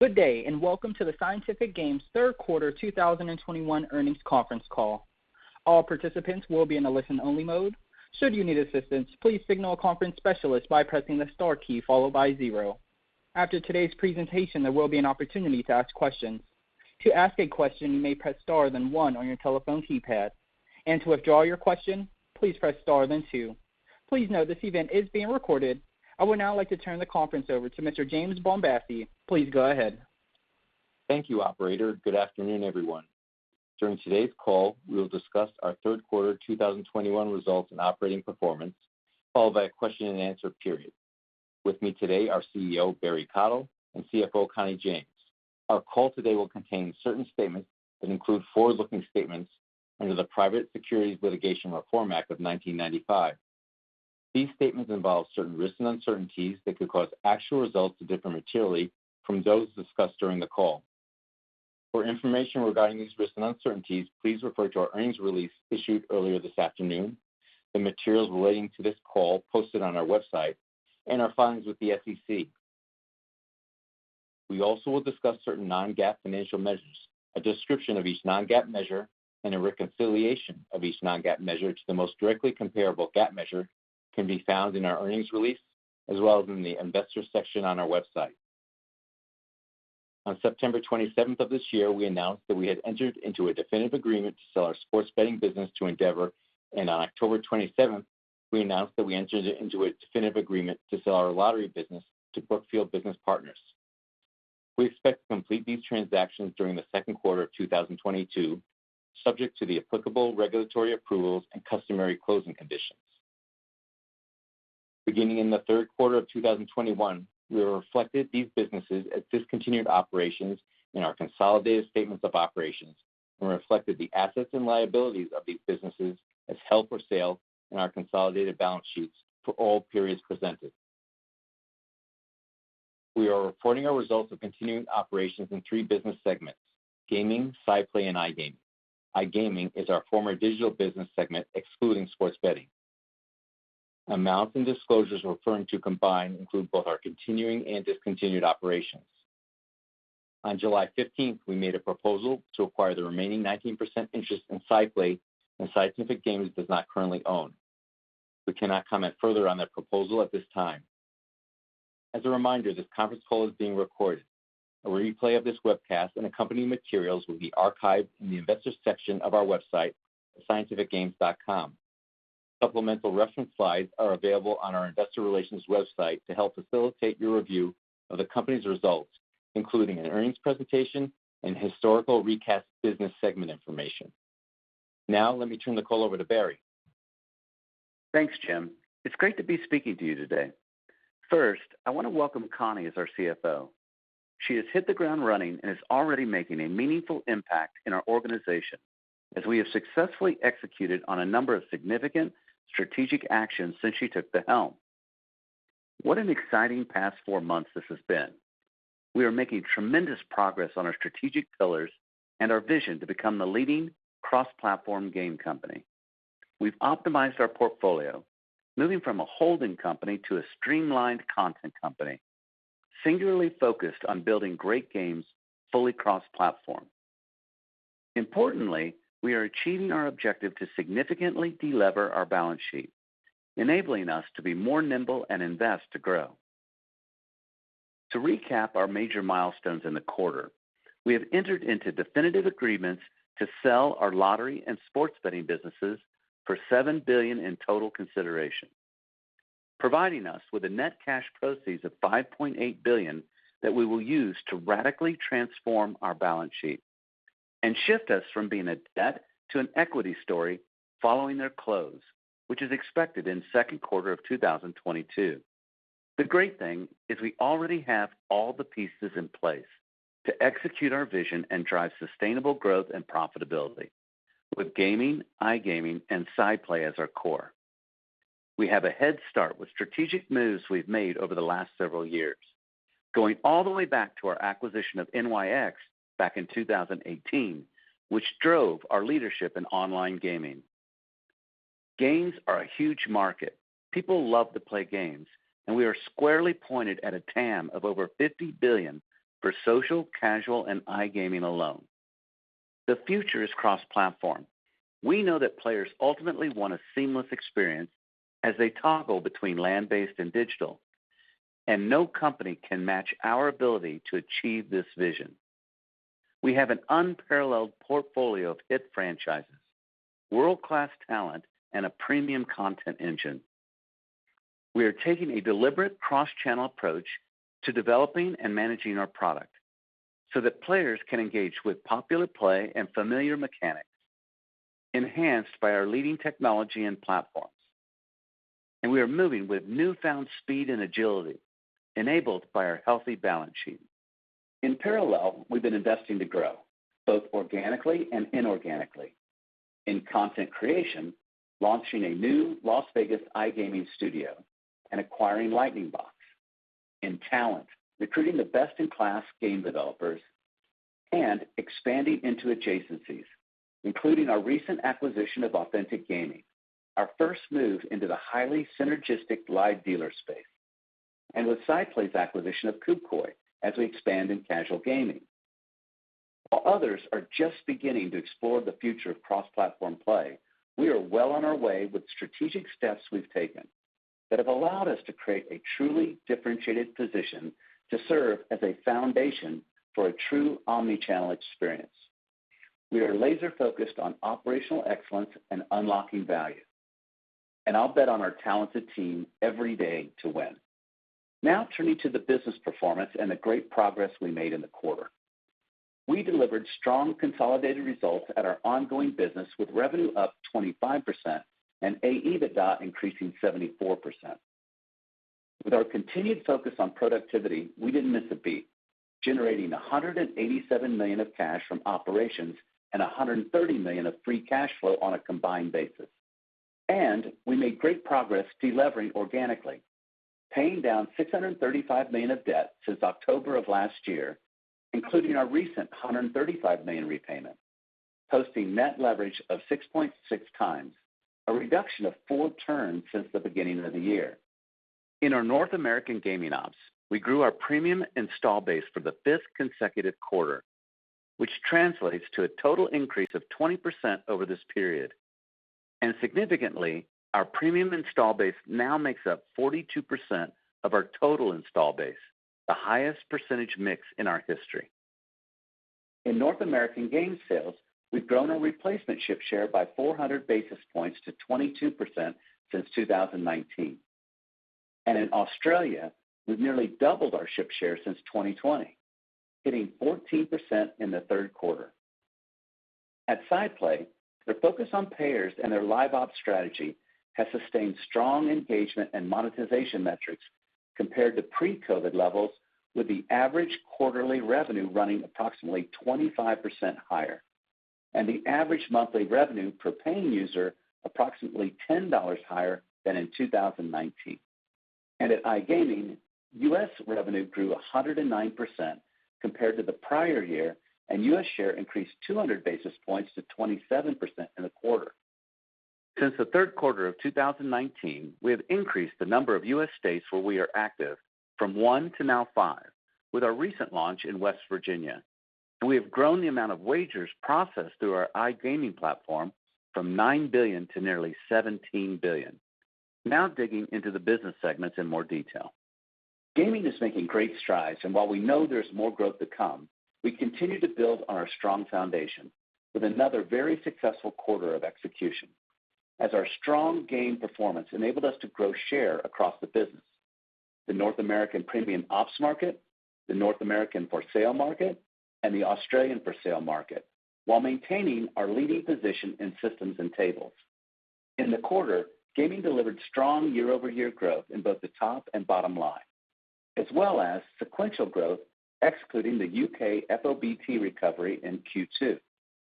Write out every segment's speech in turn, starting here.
Good day, and welcome to the Scientific Games Q3 2021 earnings conference call. All participants will be in a listen-only mode. Should you need assistance, please signal a conference specialist by pressing the star key followed by zero. After today's presentation, there will be an opportunity to ask questions. To ask a question, you may press star then one on your telephone keypad. To withdraw your question, please press star then two. Please note this event is being recorded. I would now like to turn the conference over to Mr. Jim Bombassei. Please go ahead. Thank you, operator. Good afternoon, everyone. During today's call, we will discuss our Q3 2021 results and operating performance, followed by a question and answer period. With me today are CEO Barry Cottle and CFO Connie James. Our call today will contain certain statements that include forward-looking statements under the Private Securities Litigation Reform Act of 1995. These statements involve certain risks and uncertainties that could cause actual results to differ materially from those discussed during the call. For information regarding these risks and uncertainties, please refer to our earnings release issued earlier this afternoon, the materials relating to this call posted on our website, and our filings with the SEC. We also will discuss certain non-GAAP financial measures. A description of each non-GAAP measure and a reconciliation of each non-GAAP measure to the most directly comparable GAAP measure can be found in our earnings release as well as in the investor section on our website. On September twenty-seventh of this year, we announced that we had entered into a definitive agreement to sell our sports betting business to Endeavor. On October twenty-seventh, we announced that we entered into a definitive agreement to sell our lottery business to Brookfield Business Partners. We expect to complete these transactions during the Q2 of 2022, subject to the applicable regulatory approvals and customary closing conditions. Beginning in the Q3 of 2021, we have reflected these businesses as discontinued operations in our consolidated statements of operations and reflected the assets and liabilities of these businesses as held for sale in our consolidated balance sheets for all periods presented. We are reporting our results of continuing operations in three business segments: Gaming, SciPlay, and iGaming. iGaming is our former digital business segment, excluding sports betting. Amounts and disclosures referring to combined include both our continuing and discontinued operations. On July 15, we made a proposal to acquire the remaining 19% interest in SciPlay that Scientific Games does not currently own. We cannot comment further on that proposal at this time. As a reminder, this conference call is being recorded. A replay of this webcast and accompanying materials will be archived in the investor section of our website, scientificgames.com. Supplemental reference slides are available on our investor relations website to help facilitate your review of the company's results, including an earnings presentation and historical recast business segment information. Now, let me turn the call over to Barry. Thanks, Jim. It's great to be speaking to you today. First, I want to welcome Connie as our CFO. She has hit the ground running and is already making a meaningful impact in our organization as we have successfully executed on a number of significant strategic actions since she took the helm. What an exciting past four months this has been. We are making tremendous progress on our strategic pillars and our vision to become the leading cross-platform game company. We've optimized our portfolio, moving from a holding company to a streamlined content company, singularly focused on building great games fully cross-platform. Importantly, we are achieving our objective to significantly de-lever our balance sheet, enabling us to be more nimble and invest to grow. To recap our major milestones in the quarter, we have entered into definitive agreements to sell our lottery and sports betting businesses for $7 billion in total consideration, providing us with a net cash proceeds of $5.8 billion that we will use to radically transform our balance sheet and shift us from being a debt to an equity story following their close, which is expected in Q2 of 2022. The great thing is we already have all the pieces in place to execute our vision and drive sustainable growth and profitability with gaming, iGaming, and SciPlay as our core. We have a head start with strategic moves we've made over the last several years, going all the way back to our acquisition of NYX back in 2018, which drove our leadership in online gaming. Games are a huge market. People love to play games, and we are squarely pointed at a TAM of over $50 billion for social, casual, and iGaming alone. The future is cross-platform. We know that players ultimately want a seamless experience as they toggle between land-based and digital, and no company can match our ability to achieve this vision. We have an unparalleled portfolio of hit franchises, world-class talent, and a premium content engine. We are taking a deliberate cross-channel approach to developing and managing our product so that players can engage with popular play and familiar mechanics enhanced by our leading technology and platforms. We are moving with newfound speed and agility enabled by our healthy balance sheet. In parallel, we've been investing to grow, both organically and inorganically, in content creation, launching a new Las Vegas iGaming studio and acquiring Lightning Box. in talent, recruiting the best-in-class game developers. Expanding into adjacencies, including our recent acquisition of Authentic Gaming, our first move into the highly synergistic live dealer space, and with SciPlay's acquisition of Koukoi as we expand in casual gaming. While others are just beginning to explore the future of cross-platform play, we are well on our way with strategic steps we've taken that have allowed us to create a truly differentiated position to serve as a foundation for a true omni-channel experience. We are laser-focused on operational excellence and unlocking value, and I'll bet on our talented team every day to win. Now turning to the business performance and the great progress we made in the quarter. We delivered strong consolidated results at our ongoing business with revenue up 25% and AEBITDA increasing 74%. With our continued focus on productivity, we didn't miss a beat, generating $187 million of cash from operations and $130 million of free cash flow on a combined basis. We made great progress delevering organically, paying down $635 million of debt since October of last year, including our recent $135 million repayment, posting net leverage of 6.6 times, a reduction of four turns since the beginning of the year. In our North American gaming ops, we grew our premium install base for the fifth consecutive quarter, which translates to a total increase of 20% over this period. Significantly, our premium install base now makes up 42% of our total install base, the highest percentage mix in our history. In North American game sales, we've grown our replacement ship share by 400 basis points to 22% since 2019. In Australia, we've nearly doubled our ship share since 2020, hitting 14% in the Q3. At SciPlay, their focus on payers and their live ops strategy has sustained strong engagement and monetization metrics compared to pre-COVID levels, with the average quarterly revenue running approximately 25% higher and the average monthly revenue per paying user approximately $10 higher than in 2019. At iGaming, U.S. revenue grew 109% compared to the prior year, and U.S. share increased 200 basis points to 27% in the quarter. Since the Q3 of 2019, we have increased the number of U.S. states where we are active from 1 to now 5 with our recent launch in West Virginia. We have grown the amount of wagers processed through our iGaming platform from $9 billion to nearly $17 billion. Now digging into the business segments in more detail. Gaming is making great strides, and while we know there's more growth to come, we continue to build on our strong foundation with another very successful quarter of execution as our strong game performance enabled us to grow share across the business, the North American premium ops market, the North American for sale market, and the Australian for sale market, while maintaining our leading position in systems and tables. In the quarter, gaming delivered strong year-over-year growth in both the top and bottom line, as well as sequential growth, excluding the U.K. FOBT recovery in Q2.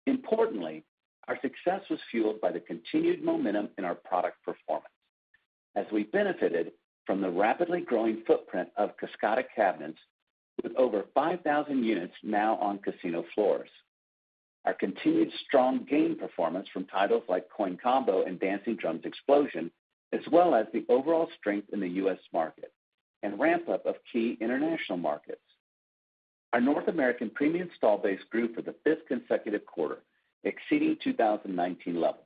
Importantly, our success was fueled by the continued momentum in our product performance as we benefited from the rapidly growing footprint of Kascada cabinets with over 5,000 units now on casino floors. Our continued strong game performance from titles like Coin Combo and Dancing Drums Explosion, as well as the overall strength in the U.S. market and ramp up of key international markets. Our North American premium install base grew for the fifth consecutive quarter, exceeding 2019 levels,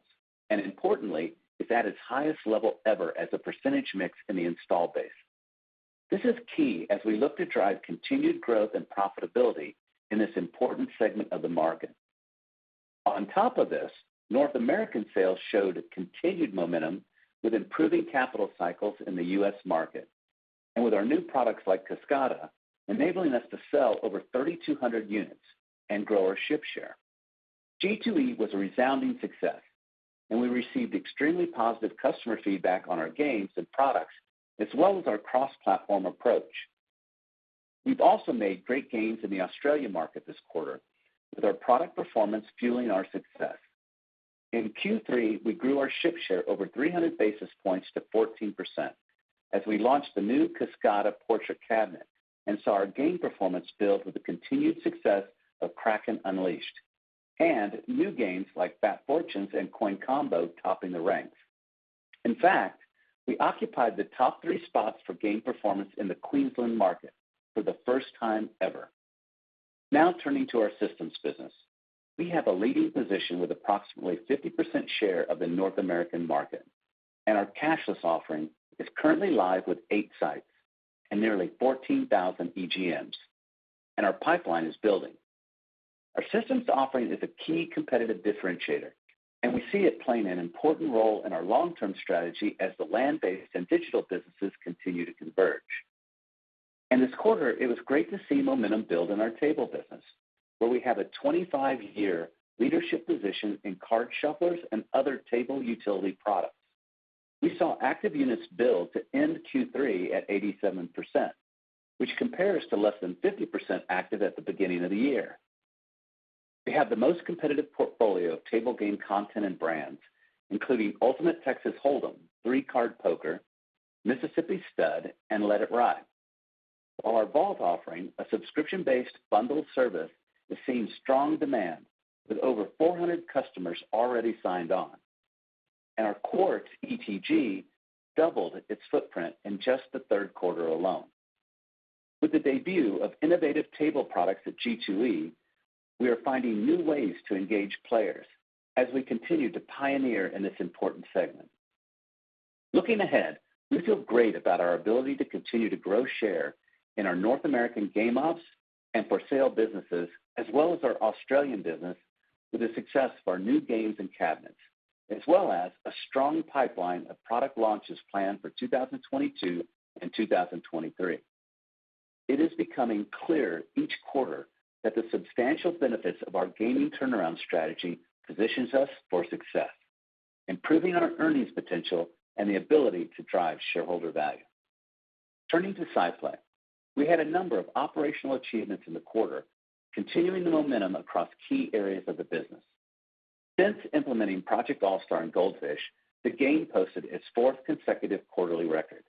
and importantly, is at its highest level ever as a percentage mix in the install base. This is key as we look to drive continued growth and profitability in this important segment of the market. On top of this, North American sales showed continued momentum with improving capital cycles in the U.S. market and with our new products like Kascada enabling us to sell over 3,200 units and grow our ship share. G2E was a resounding success, and we received extremely positive customer feedback on our games and products, as well as our cross-platform approach. We've also made great gains in the Australian market this quarter with our product performance fueling our success. In Q3, we grew our ship share over 300 basis points to 14% as we launched the new Kascada portrait cabinet and saw our game performance build with the continued success of Kraken Unleashed and new games like Fat Fortunes and Coin Combo topping the ranks. In fact, we occupied the top three spots for game performance in the Queensland market for the first time ever. Now turning to our systems business. We have a leading position with approximately 50% share of the North American market, and our cashless offering is currently live with eight sites and nearly 14,000 EGMs, and our pipeline is building. Our systems offering is a key competitive differentiator, and we see it playing an important role in our long-term strategy as the land-based and digital businesses continue to converge. In this quarter, it was great to see momentum build in our table business, where we have a 25-year leadership position in card shufflers and other table utility products. We saw active units build to end Q3 at 87%, which compares to less than 50% active at the beginning of the year. We have the most competitive portfolio of table game content and brands, including Ultimate Texas Hold'em, Three Card Poker, Mississippi Stud, and Let It Ride. While our Vault offering, a subscription-based bundled service, is seeing strong demand with over 400 customers already signed on. Our Quartz ETG doubled its footprint in just the Q3 alone. With the debut of innovative table products at G2E, we are finding new ways to engage players as we continue to pioneer in this important segment. Looking ahead, we feel great about our ability to continue to grow share in our North American game ops and for sale businesses as well as our Australian business with the success of our new games and cabinets, as well as a strong pipeline of product launches planned for 2022 and 2023. It is becoming clear each quarter that the substantial benefits of our gaming turnaround strategy positions us for success, improving our earnings potential and the ability to drive shareholder value. Turning to SciPlay, we had a number of operational achievements in the quarter, continuing the momentum across key areas of the business. Since implementing Project All Star in Gold Fish, the game posted its fourth consecutive quarterly record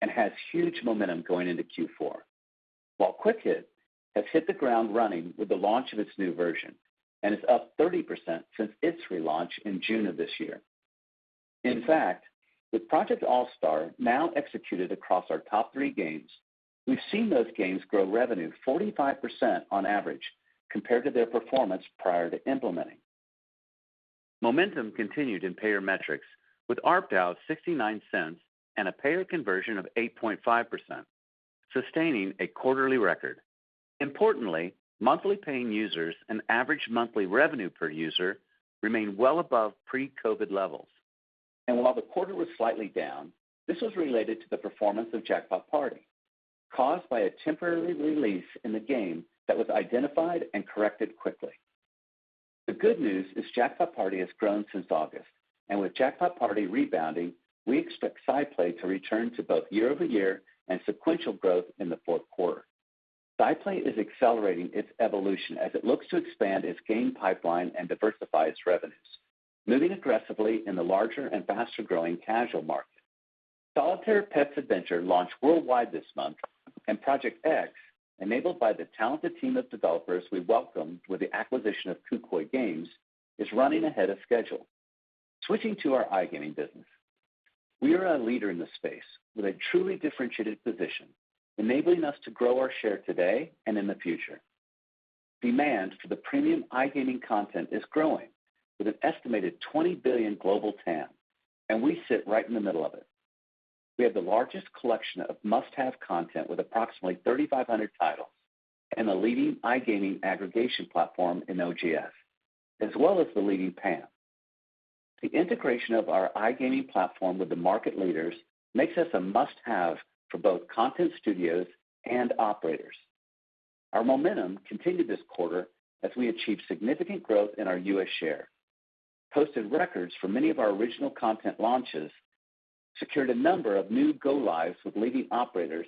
and has huge momentum going into Q4. While Quick Hit has hit the ground running with the launch of its new version and is up 30% since its relaunch in June of this year. In fact, with Project All Star now executed across our top three games, we've seen those games grow revenue 45% on average compared to their performance prior to implementing. Momentum continued in payer metrics with ARPDAU $0.69 and a payer conversion of 8.5%, sustaining a quarterly record. Importantly, monthly paying users and average monthly revenue per user remain well above pre-COVID levels. While the quarter was slightly down, this was related to the performance of Jackpot Party, caused by a temporary release in the game that was identified and corrected quickly. The good news is Jackpot Party has grown since August, and with Jackpot Party rebounding, we expect SciPlay to return to both year-over-year and sequential growth in the Q4. SciPlay is accelerating its evolution as it looks to expand its game pipeline and diversify its revenues, moving aggressively in the larger and faster-growing casual market. Solitaire Pets Adventure launched worldwide this month, and Project X, enabled by the talented team of developers we welcomed with the acquisition of Koukoi Games, is running ahead of schedule. Switching to our iGaming business. We are a leader in this space with a truly differentiated position, enabling us to grow our share today and in the future. Demand for the premium iGaming content is growing with an estimated $20 billion global TAM, and we sit right in the middle of it. We have the largest collection of must-have content with approximately 3,500 titles and a leading iGaming aggregation platform in OGS, as well as the leading PAM. The integration of our iGaming platform with the market leaders makes us a must-have for both content studios and operators. Our momentum continued this quarter as we achieved significant growth in our U.S. share, posted records for many of our original content launches, secured a number of new go-lives with leading operators,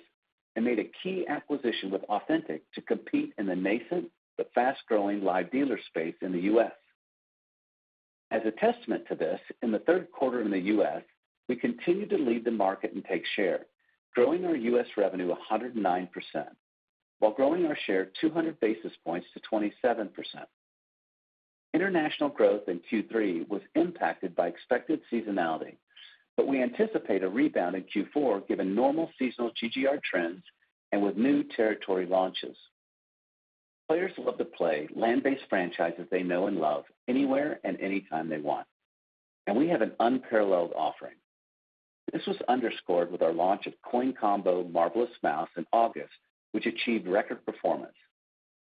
and made a key acquisition with Authentic Gaming to compete in the nascent but fast-growing live dealer space in the U.S. As a testament to this, in the Q3 in the U.S., we continued to lead the market and take share, growing our U.S. revenue 109%, while growing our share 200 basis points to 27%. International growth in Q3 was impacted by expected seasonality, but we anticipate a rebound in Q4 given normal seasonal GGR trends and with new territory launches. Players love to play land-based franchises they know and love anywhere and anytime they want, and we have an unparalleled offering. This was underscored with our launch of Coin Combo Marvelous Mouse in August, which achieved record performance,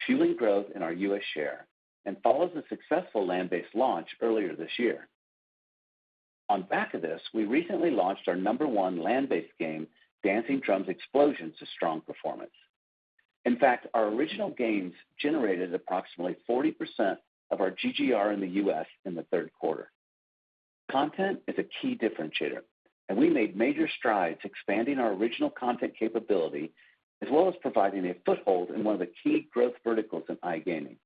fueling growth in our U.S. share, and follows a successful land-based launch earlier this year. On back of this, we recently launched our number one land-based game, Dancing Drums Explosion, to strong performance. In fact, our original games generated approximately 40% of our GGR in the U.S. in the Q3. Content is a key differentiator, and we made major strides expanding our original content capability as well as providing a foothold in one of the key growth verticals in iGaming.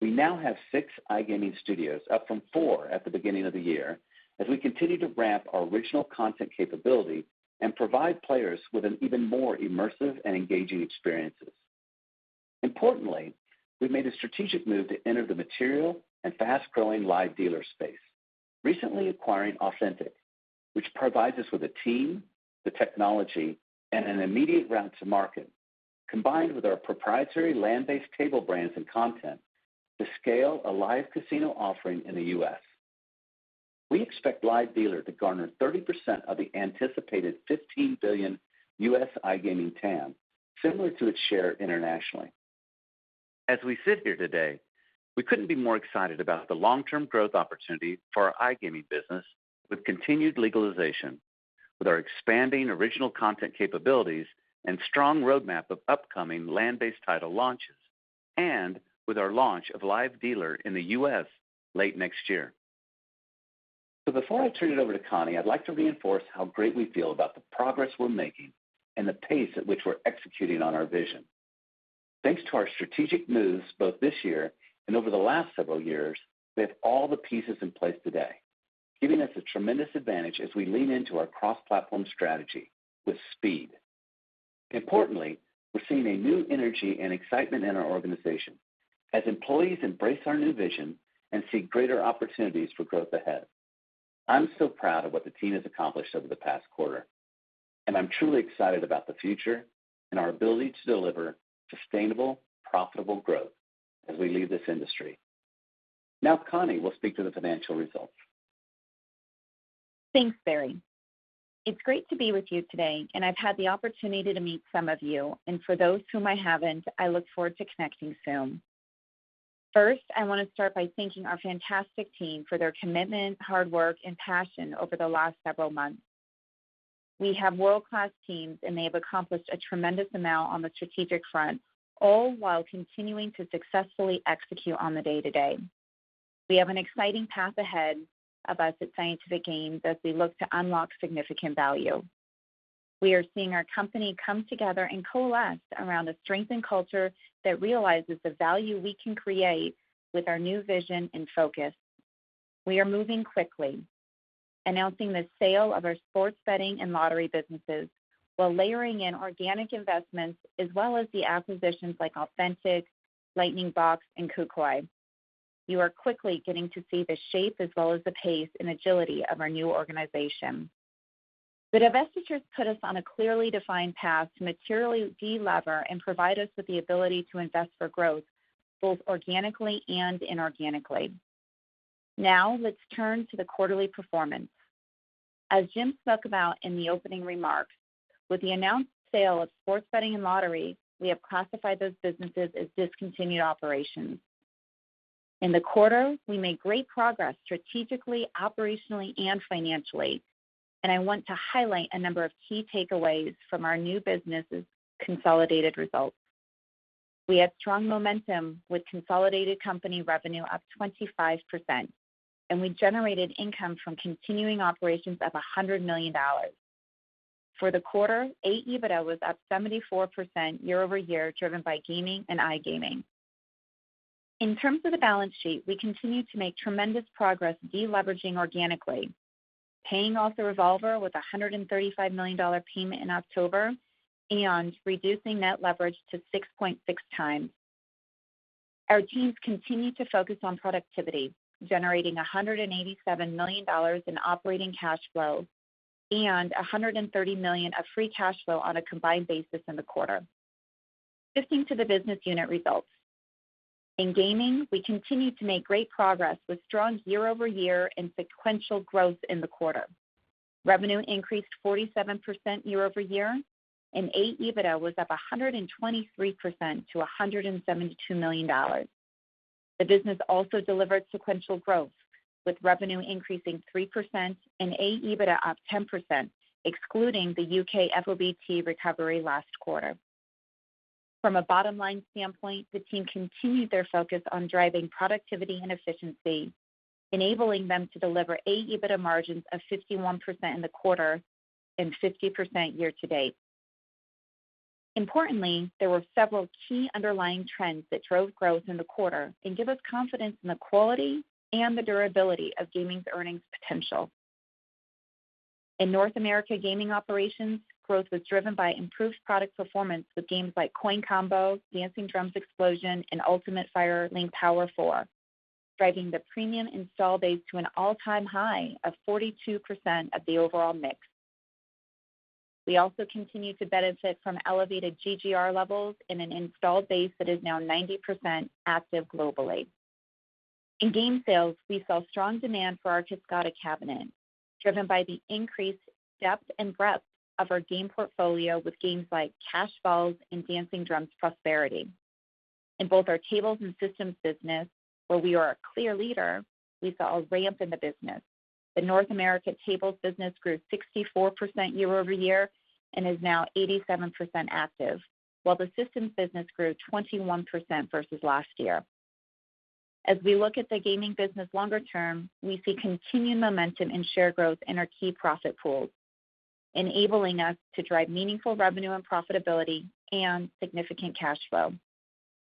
We now have 6 iGaming studios, up from 4 at the beginning of the year, as we continue to ramp our original content capability and provide players with an even more immersive and engaging experiences. Importantly, we've made a strategic move to enter the material and fast-growing live dealer space, recently acquiring Authentic, which provides us with a team, the technology, and an immediate route to market, combined with our proprietary land-based table brands and content, to scale a live casino offering in the U.S. We expect live dealer to garner 30% of the anticipated $15 billion U.S. iGaming TAM, similar to its share internationally. As we sit here today, we couldn't be more excited about the long-term growth opportunity for our iGaming business with continued legalization, with our expanding original content capabilities and strong roadmap of upcoming land-based title launches, and with our launch of live dealer in the U.S. late next year. Before I turn it over to Connie, I'd like to reinforce how great we feel about the progress we're making and the pace at which we're executing on our vision. Thanks to our strategic moves both this year and over the last several years, we have all the pieces in place today, giving us a tremendous advantage as we lean into our cross-platform strategy with speed. Importantly, we're seeing a new energy and excitement in our organization as employees embrace our new vision and see greater opportunities for growth ahead. I'm so proud of what the team has accomplished over the past quarter, and I'm truly excited about the future and our ability to deliver sustainable, profitable growth as we lead this industry. Now Connie will speak to the financial results. Thanks, Barry. It's great to be with you today, and I've had the opportunity to meet some of you, and for those whom I haven't, I look forward to connecting soon. First, I want to start by thanking our fantastic team for their commitment, hard work, and passion over the last several months. We have world-class teams, and they have accomplished a tremendous amount on the strategic front, all while continuing to successfully execute on the day-to-day. We have an exciting path ahead of us at Scientific Games as we look to unlock significant value. We are seeing our company come together and coalesce around a strengthened culture that realizes the value we can create with our new vision and focus. We are moving quickly, announcing the sale of our sports betting and lottery businesses while layering in organic investments as well as the acquisitions like Authentic, Lightning Box, and Koukoi. You are quickly getting to see the shape as well as the pace and agility of our new organization. The divestitures put us on a clearly defined path to materially delever and provide us with the ability to invest for growth, both organically and inorganically. Now let's turn to the quarterly performance. As Jim spoke about in the opening remarks, with the announced sale of sports betting and lottery, we have classified those businesses as discontinued operations. In the quarter, we made great progress strategically, operationally, and financially, and I want to highlight a number of key takeaways from our new business's consolidated results. We have strong momentum with consolidated company revenue up 25%, and we generated income from continuing operations of $100 million. For the quarter, AEBITDA was up 74% year-over-year, driven by Gaming and iGaming. In terms of the balance sheet, we continue to make tremendous progress deleveraging organically, paying off the revolver with a $135 million payment in October and reducing net leverage to 6.6 times. Our teams continue to focus on productivity, generating $187 million in operating cash flow and $130 million of free cash flow on a combined basis in the quarter. Shifting to the business unit results. In Gaming, we continue to make great progress with strong year-over-year and sequential growth in the quarter. Revenue increased 47% year-over-year, and AEBITDA was up 123% to $172 million. The business also delivered sequential growth with revenue increasing 3% and AEBITDA up 10%, excluding the U.K. FOBT recovery last quarter. From a bottom-line standpoint, the team continued their focus on driving productivity and efficiency, enabling them to deliver AEBITDA margins of 51% in the quarter and 50% year-to-date. Importantly, there were several key underlying trends that drove growth in the quarter and give us confidence in the quality and the durability of gaming's earnings potential. In North America gaming operations, growth was driven by improved product performance with games like Coin Combo, Dancing Drums Explosion, and Ultimate Fire Link Power 4, driving the premium install base to an all-time high of 42% of the overall mix. We also continue to benefit from elevated GGR levels in an installed base that is now 90% active globally. In game sales, we saw strong demand for our Kascada cabinet, driven by the increased depth and breadth of our game portfolio with games like Cash Falls and Dancing Drums Prosperity. In both our tables and systems business, where we are a clear leader, we saw a ramp in the business. The North America tables business grew 64% year-over-year and is now 87% active, while the systems business grew 21% versus last year. As we look at the gaming business longer term, we see continued momentum and share growth in our key profit pools, enabling us to drive meaningful revenue and profitability and significant cash flow.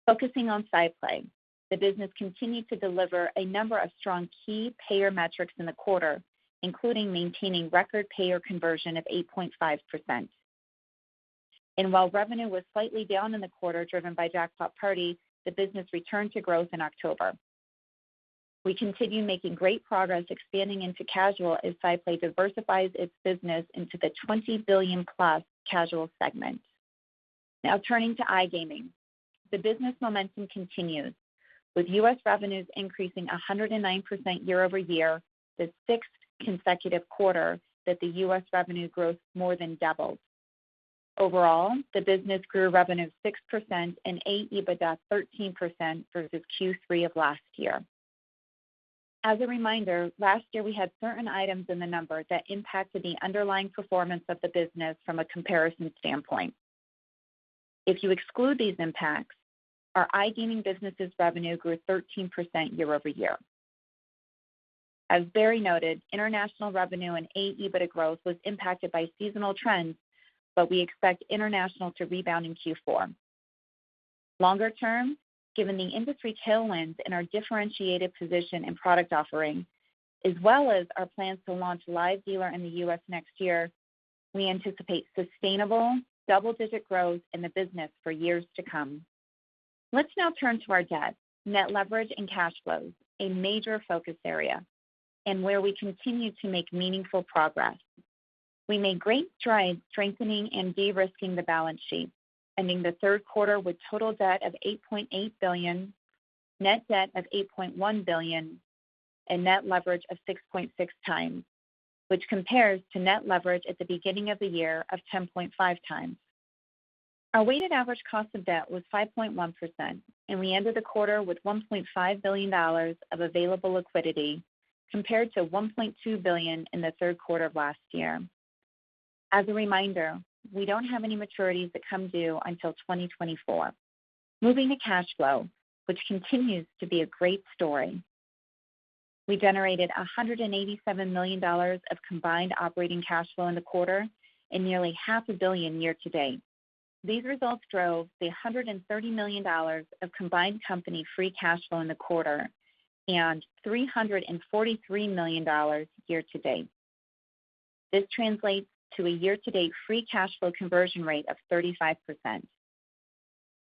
Focusing on SciPlay, the business continued to deliver a number of strong key payer metrics in the quarter, including maintaining record payer conversion of 8.5%. While revenue was slightly down in the quarter driven by Jackpot Party, the business returned to growth in October. We continue making great progress expanding into casual as SciPlay diversifies its business into the 20 billion-plus casual segment. Now turning to iGaming. The business momentum continues, with U.S. revenues increasing 109% year-over-year, the sixth consecutive quarter that the U.S. revenue growth more than doubled. Overall, the business grew revenue 6% and AEBITDA 13% versus Q3 of last year. As a reminder, last year we had certain items in the numbers that impacted the underlying performance of the business from a comparison standpoint. If you exclude these impacts, our iGaming business' revenue grew 13% year-over-year. As Barry noted, international revenue and AEBITDA growth was impacted by seasonal trends, but we expect international to rebound in Q4. Longer term, given the industry tailwinds and our differentiated position and product offering, as well as our plans to launch live dealer in the U.S. next year, we anticipate sustainable double-digit growth in the business for years to come. Let's now turn to our debt, net leverage and cash flows, a major focus area and where we continue to make meaningful progress. We made great strides strengthening and de-risking the balance sheet, ending the Q3 with total debt of $8.8 billion, net debt of $8.1 billion, and net leverage of 6.6x, which compares to net leverage at the beginning of the year of 10.5x. Our weighted average cost of debt was 5.1%, and we ended the quarter with $1.5 billion of available liquidity compared to $1.2 billion in the Q3 of last year. As a reminder, we don't have any maturities that come due until 2024. Moving to cash flow, which continues to be a great story. We generated $187 million of combined operating cash flow in the quarter and nearly half a billion year to date. These results drove $130 million of combined company free cash flow in the quarter and $343 million year to date. This translates to a year-to-date free cash flow conversion rate of 35%.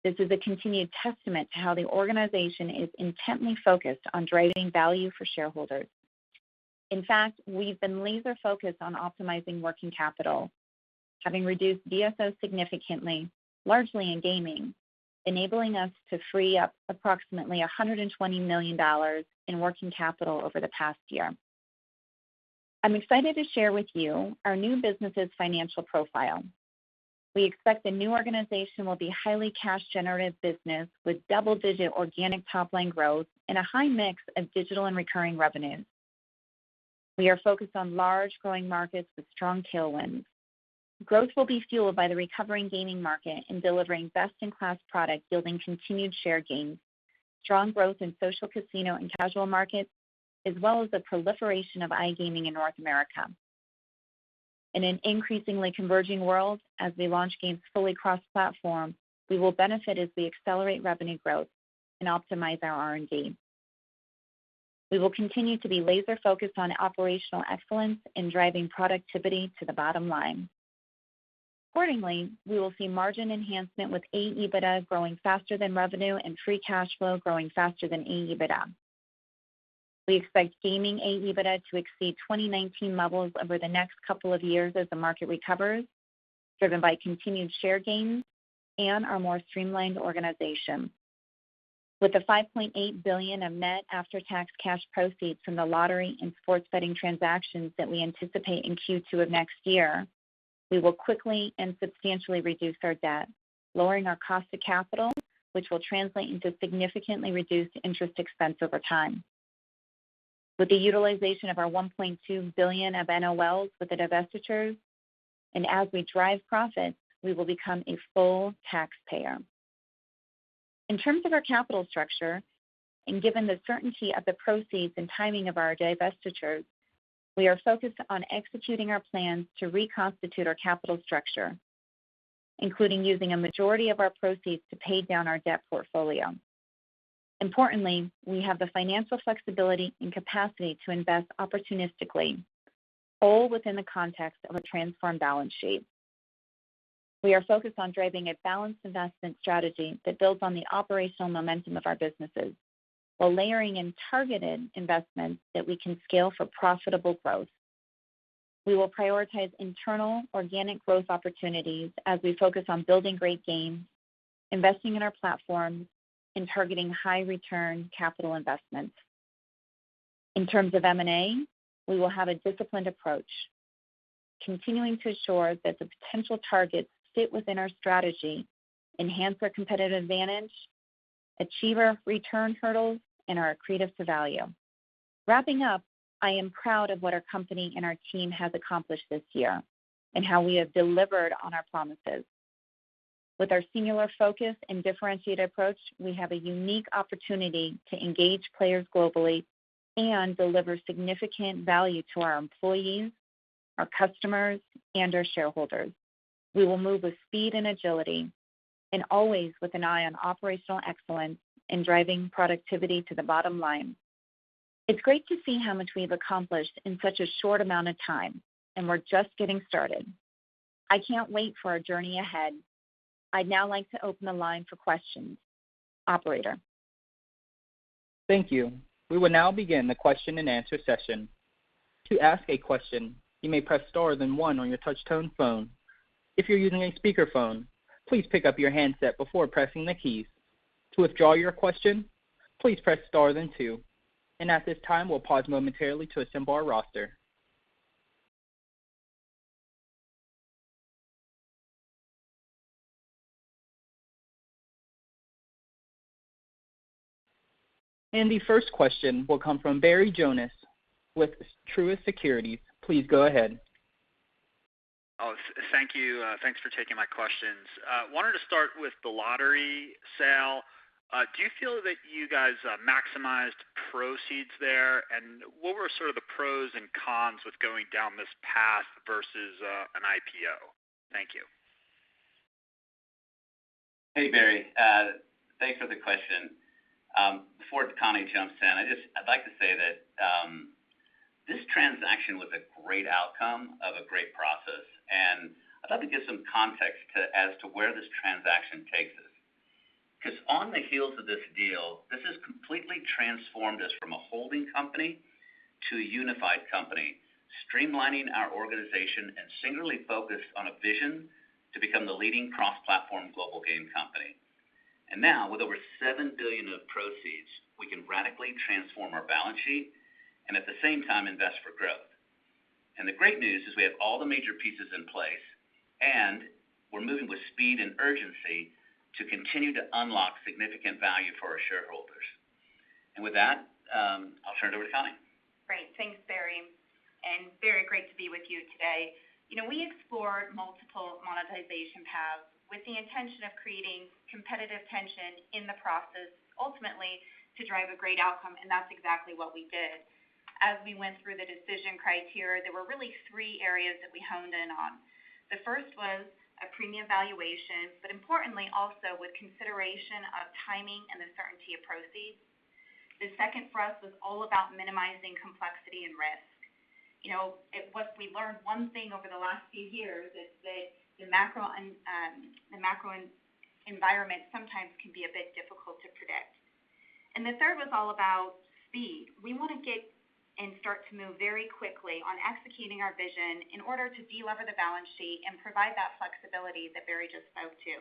This is a continued testament to how the organization is intently focused on driving value for shareholders. In fact, we've been laser-focused on optimizing working capital, having reduced DSO significantly, largely in gaming, enabling us to free up approximately $120 million in working capital over the past year. I'm excited to share with you our new business' financial profile. We expect the new organization will be highly cash-generative business with double-digit organic top-line growth and a high mix of digital and recurring revenues. We are focused on large growing markets with strong tailwinds. Growth will be fueled by the recovering gaming market and delivering best-in-class products, building continued share gains, strong growth in social casino and casual markets, as well as the proliferation of iGaming in North America. In an increasingly converging world, as we launch games fully cross-platform, we will benefit as we accelerate revenue growth and optimize our R&D. We will continue to be laser-focused on operational excellence in driving productivity to the bottom line. Accordingly, we will see margin enhancement with AEBITDA growing faster than revenue and free cash flow growing faster than AEBITDA. We expect gaming AEBITDA to exceed 2019 levels over the next couple of years as the market recovers, driven by continued share gains and our more streamlined organization. With the $5.8 billion of net after-tax cash proceeds from the lottery and sports betting transactions that we anticipate in Q2 of next year, we will quickly and substantially reduce our debt, lowering our cost to capital, which will translate into significantly reduced interest expense over time. With the utilization of our $1.2 billion of NOLs with the divestitures, and as we drive profit, we will become a full taxpayer. In terms of our capital structure and given the certainty of the proceeds and timing of our divestitures, we are focused on executing our plans to reconstitute our capital structure, including using a majority of our proceeds to pay down our debt portfolio. Importantly, we have the financial flexibility and capacity to invest opportunistically, all within the context of a transformed balance sheet. We are focused on driving a balanced investment strategy that builds on the operational momentum of our businesses while layering in targeted investments that we can scale for profitable growth. We will prioritize internal organic growth opportunities as we focus on building great games, investing in our platforms, and targeting high-return capital investments. In terms of M&A, we will have a disciplined approach, continuing to ensure that the potential targets fit within our strategy, enhance our competitive advantage, achieve our return hurdles, and are accretive to value. Wrapping up, I am proud of what our company and our team has accomplished this year and how we have delivered on our promises. With our singular focus and differentiated approach, we have a unique opportunity to engage players globally and deliver significant value to our employees, our customers, and our shareholders. We will move with speed and agility and always with an eye on operational excellence in driving productivity to the bottom line. It's great to see how much we've accomplished in such a short amount of time, and we're just getting started. I can't wait for our journey ahead. I'd now like to open the line for questions. Operator. Thank you. We will now begin the question-and-answer session. To ask a question, you may press star then one on your touch-tone phone. If you're using a speakerphone, please pick up your handset before pressing the keys. To withdraw your question, please press star then two. At this time, we'll pause momentarily to assemble our roster. The first question will come from Barry Jonas with Truist Securities. Please go ahead. Thank you. Thanks for taking my questions. I wanted to start with the lottery sale. Do you feel that you guys maximized proceeds there? What were sort of the pros and cons with going down this path versus an IPO? Thank you. Hey, Barry. Thanks for the question. Before Connie jumps in, I'd like to say that this transaction was a great outcome of a great process, and I'd like to give some context as to where this transaction takes us. On the heels of this deal, this has completely transformed us from a holding company to a unified company, streamlining our organization and singularly focused on a vision to become the leading cross-platform global game company. Now, with over $7 billion of proceeds, we can radically transform our balance sheet and at the same time invest for growth. The great news is we have all the major pieces in place, and we're moving with speed and urgency to continue to unlock significant value for our shareholders. With that, I'll turn it over to Connie. Great. Thanks, Barry. Barry, great to be with you today. You know, we explored multiple monetization paths with the intention of creating competitive tension in the process, ultimately to drive a great outcome, and that's exactly what we did. As we went through the decision criteria, there were really three areas that we honed in on. The first was a premium valuation, but importantly also with consideration of timing and the certainty of proceeds. The second for us was all about minimizing complexity and risk. You know, if there's one thing we learned over the last few years is that the macro environment sometimes can be a bit difficult to predict. The third was all about speed. We wanna get and start to move very quickly on executing our vision in order to delever the balance sheet and provide that flexibility that Barry just spoke to.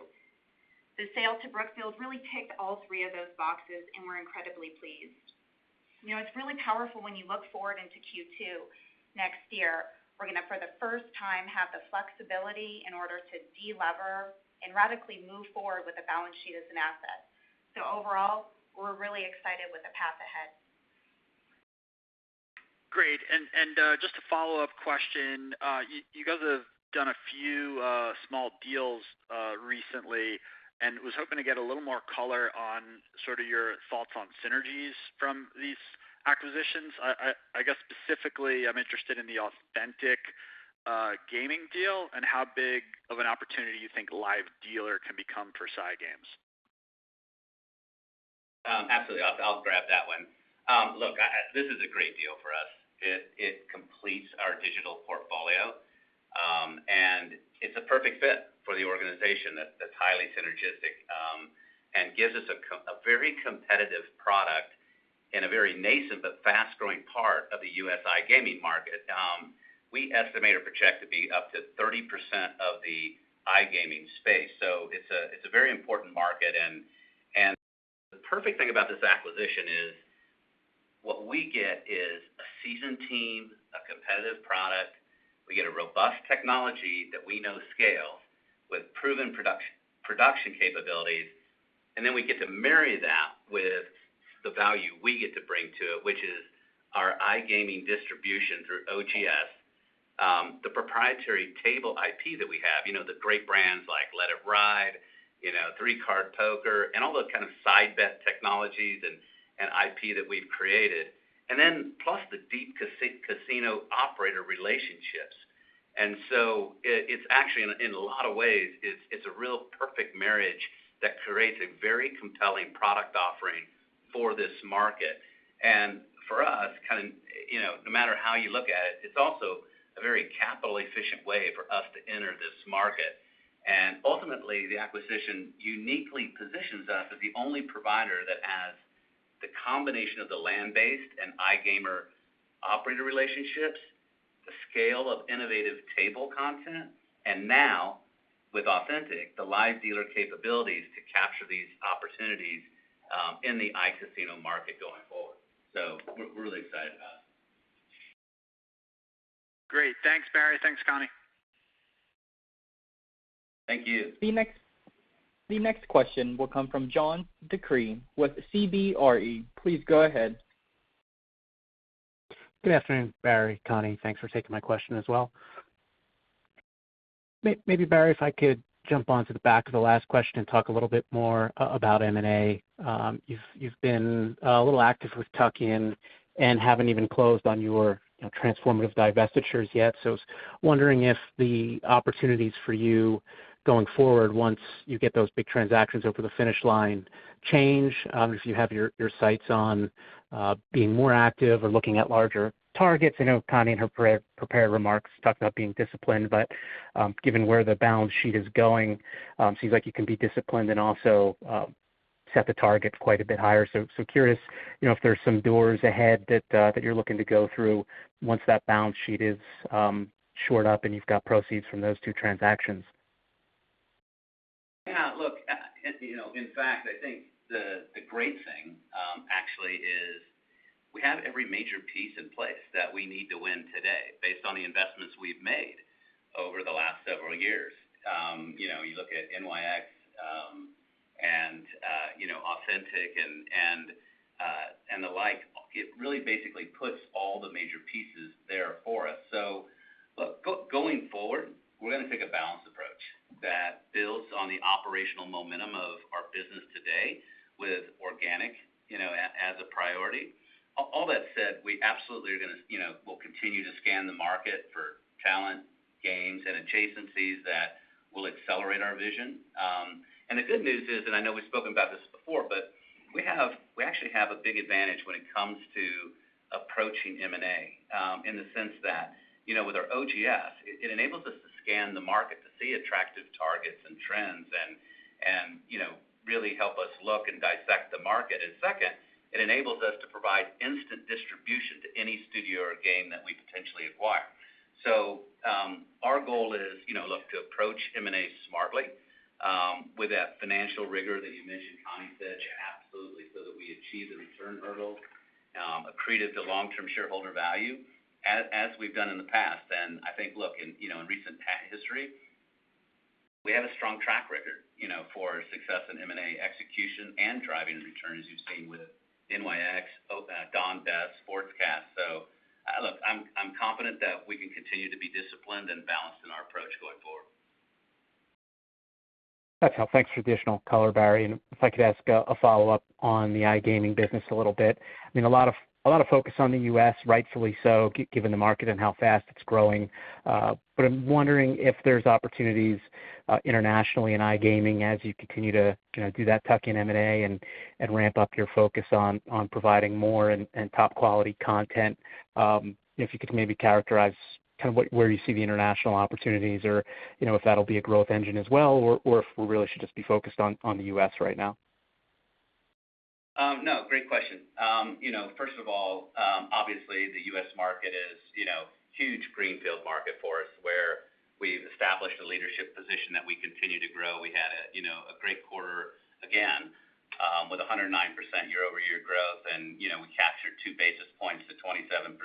The sale to Brookfield really ticked all three of those boxes, and we're incredibly pleased. You know, it's really powerful when you look forward into Q2 next year. We're gonna for the first time have the flexibility in order to delever and radically move forward with the balance sheet as an asset. Overall, we're really excited with the path ahead. Great. Just a follow-up question. You guys have done a few small deals recently, and I was hoping to get a little more color on sort of your thoughts on synergies from these acquisitions. I guess specifically I'm interested in the Authentic Gaming deal and how big of an opportunity you think live dealer can become for SciGames. Absolutely. I'll grab that one. Look, this is a great deal for us. It completes our digital portfolio, and it's a perfect fit for the organization that's highly synergistic, and gives us a very competitive product in a very nascent but fast-growing part of the U.S. iGaming market. We estimate or project to be up to 30% of the iGaming space. It's a very important market and the perfect thing about this acquisition is what we get is a seasoned team, a competitive product, we get a robust technology that we know scale with proven product production capabilities, and then we get to marry that with the value we get to bring to it, which is our iGaming distribution through OGS, the proprietary table IP that we have the great brands like Let It ride Three Card Poker, and all those kind of side bet technologies and IP that we've created. Plus the deep casino operator relationships. It's actually in a lot of ways, it's a real perfect marriage that creates a very compelling product offering for this market. For us, kind of no matter how you look at it's also a very capital-efficient way for us to enter this market. Ultimately, the acquisition uniquely positions us as the only provider that has the combination of the land-based and iGaming operator relationships, the scale of innovative table content, and now with Authentic, the live dealer capabilities to capture these opportunities in the iCasino market going forward. We're really excited about it. Great. Thanks, Barry. Thanks, Connie. Thank you. The next question will come from John DeCree with CBRE. Please go ahead. Good afternoon, Barry, Connie. Thanks for taking my question as well. Maybe Barry, if I could jump onto the back of the last question and talk a little bit more about M&A. You've been a little active with tuck-in and haven't even closed on your transformative divestitures yet. I was wondering if the opportunities for you going forward once you get those big transactions over the finish line change, if you have your sights on being more active or looking at larger targets. I know Connie in her pre-prepared remarks talked about being disciplined, but given where the balance sheet is going, it seems like you can be disciplined and also set the targets quite a bit higher. curious if there's some doors ahead that you're looking to go through once that balance sheet is shored up and you've got proceeds from those two transactions. Yeah, look in fact, I think the great thing actually is every major piece in place that we need to win today based on the investments we've made over the last several years. You know, you look at NYX and Authentic and the like. It really basically puts all the major pieces there for us. Look, going forward, we're gonna take a balanced approach that builds on the operational momentum of our business today with organic as a priority. All that said, we absolutely will continue to scan the market for talent gains and adjacencies that will accelerate our vision. The good news is, and I know we've spoken about this before, but we actually have a big advantage when it comes to approaching M&A, in the sense that with our OGS, it enables us to scan the market to see attractive targets and trends and really help us look and dissect the market. Second, it enables us to provide instant distribution to any studio or game that we potentially acquire. Our goal is look, to approach M&A smartly, with that financial rigor that you mentioned, Connie said, absolutely so that we achieve the return hurdle, accretive to long-term shareholder value as we've done in the past. I think, look in recent history, we have a strong track record for success in M&A execution and driving returns you've seen with NYX, Don Best, SportCast. Look, I'm confident that we can continue to be disciplined and balanced in our approach going forward. That's helpful. Thanks for the additional color, Barry. If I could ask a follow-up on the iGaming business a little bit. I mean, a lot of focus on the U.S., rightfully so, given the market and how fast it's growing. But I'm wondering if there's opportunities internationally in iGaming as you continue to do that tuck-in M&A and ramp up your focus on providing more and top quality content. If you could maybe characterize kind of where you see the international opportunities or if that'll be a growth engine as well, or if we really should just be focused on the U.S. right now. No, great question. You know, first of all, obviously the U.S. market is a huge greenfield market for us, where we've established a leadership position that we continue to grow. We had a great quarter again, with 109% year-over-year growth and we captured two basis points to 27%.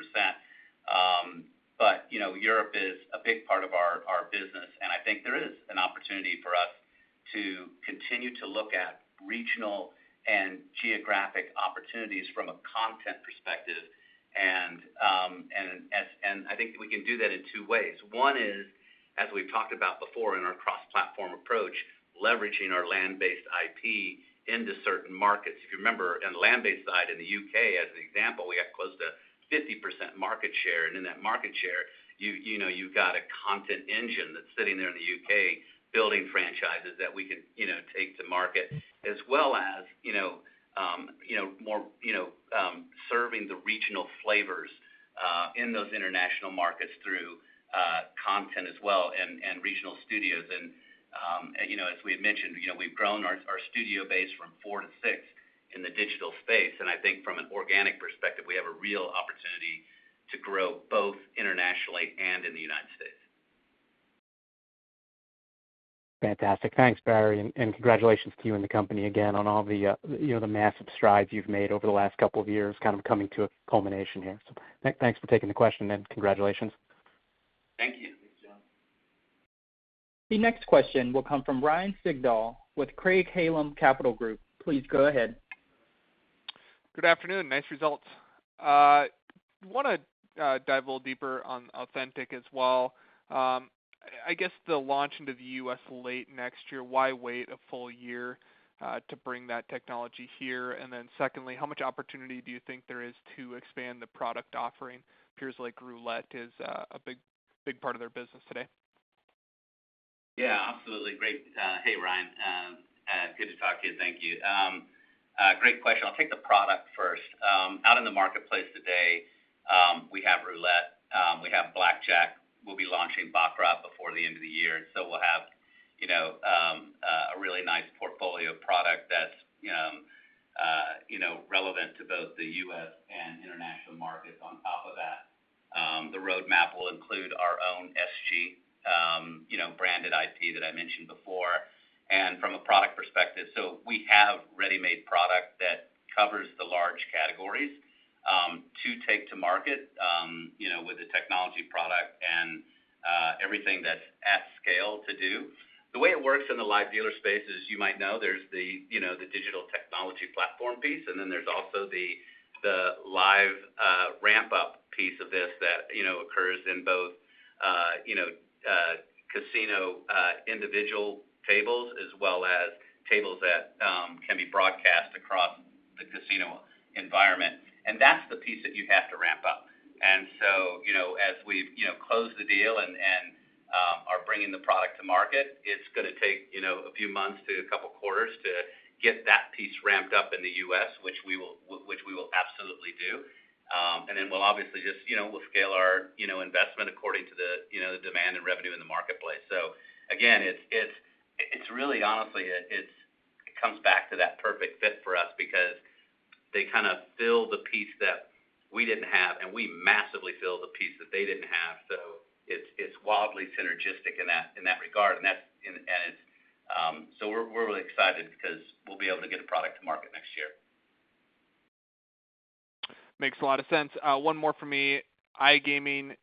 Europe is a big part of our business, and I think there is an opportunity for us to continue to look at regional and geographic opportunities from a content perspective. I think we can do that in two ways. One is, as we've talked about before in our cross-platform approach, leveraging our land-based IP into certain markets. If you remember on the land-based side in the U.K., as an example, we have close to 50% market share. In that market share you've got a content engine that's sitting there in the U.K. building franchises that we can take to market, as well as more serving the regional flavors in those international markets through content as well and regional studios. As we had mentioned we've grown our studio base from 4 to 6 in the digital space. I think from an organic perspective, we have a real opportunity to grow both internationally and in the United States. Fantastic. Thanks, Barry. Congratulations to you and the company again on all the the massive strides you've made over the last couple of years kind of coming to a culmination here. Thanks for taking the question and congratulations. Thank you. The next question will come from Ryan Sigdahl with Craig-Hallum Capital Group. Please go ahead. Good afternoon. Nice results. Wanna dive a little deeper on Authentic as well. I guess the launch into the U.S. late next year, why wait a full year to bring that technology here? Secondly, how much opportunity do you think there is to expand the product offering? It appears like roulette is a big, big part of their business today. Yeah, absolutely. Great. Hey, Ryan. Good to talk to you. Thank you. Great question. I'll take the product first. Out in the marketplace today, we have roulette, we have blackjack. We'll be launching baccarat before the end of the year. We'll have a really nice portfolio of product that's relevant to both the U.S. and international markets on top of that. The roadmap will include our own sg branded IP that I mentioned before. From a product perspective, we have ready-made product that covers the large categories, to take to market with the technology product and, everything that's at scale to do. The way it works in the live dealer space is, you might know, there's the the digital technology platform piece, and then there's also the live, ramp-up piece of this that occurs in both, casino, individual tables, as well as tables that, can be broadcast across the casino environment. That's the piece that you have to ramp up. You know, as we've closed the deal and, are bringing the product to market, it's gonna take a few months to a couple quarters to get that piece ramped up in the U.S. which we will, which we will absolutely do. Then we'll obviously just we'll scale our investment according to the the demand and revenue in the marketplace. Again, it's really honestly it comes back to that perfect fit for us because they kinda fill the piece that we didn't have, and we massively fill the piece that they didn't have. It's wildly synergistic in that regard. We're really excited because we'll be able to get a product to market next year. Makes a lot of sense. One more for me. iGaming,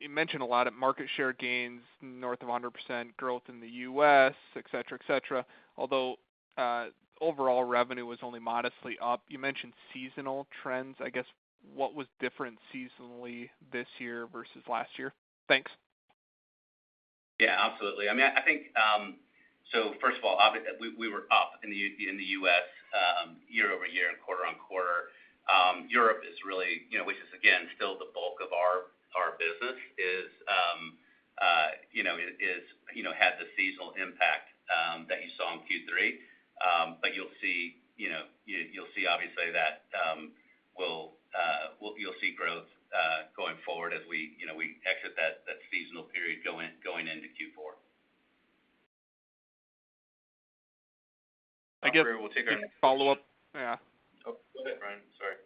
you mentioned a lot of market share gains north of 100% growth in the U.S., et cetera. Although overall revenue was only modestly up. You mentioned seasonal trends. I guess, what was different seasonally this year versus last year? Thanks. Yeah, absolutely. I mean, I think, first of all, we were up in the U.S. year-over-year and quarter-over-quarter. Europe is really which is again, still the bulk of our business had the seasonal impact that you saw in Q3. You'll see obviously that you'll see growth going forward as we exit that seasonal period going into Q4. I guess- Barry, we'll take our next- Can I follow up? Yeah. Oh, go ahead, Ryan. Sorry.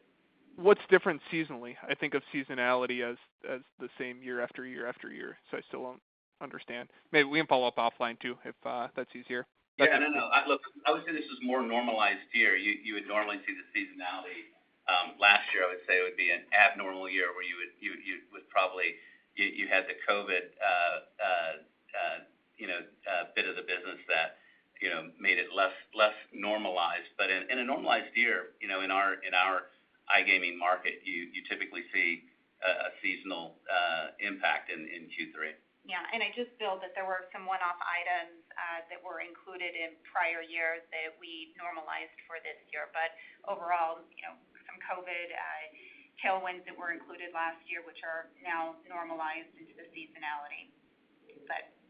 What's different seasonally? I think of seasonality as the same year after year after year, so I still don't understand. Maybe we can follow up offline too if that's easier. Yeah, no. Look, I would say this is a more normalized year. You would normally see the seasonality. Last year, I would say it would be an abnormal year where you had the COVID hit to the business that you know made it less normalized. In a normalized year in our iGaming market, you typically see a seasonal impact in Q3. Yeah. I just feel that there were some one-off items that were included in prior years that we normalized for this year. overall some COVID tailwinds that were included last year, which are now normalized into the seasonality.